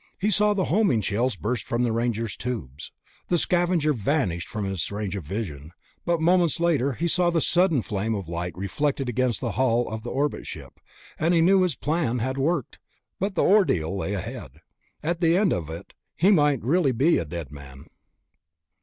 He saw the homing shells burst from the Ranger's tubes. The Scavenger vanished from his range of vision, but moments later he saw the sudden flare of light reflected against the hull of the orbit ship, and he knew his plan had worked, but the ordeal lay ahead. And at the end of it, he might really be a dead man.